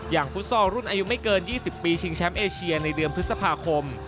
ฟุตซอลรุ่นอายุไม่เกิน๒๐ปีชิงแชมป์เอเชียในเดือนพฤษภาคม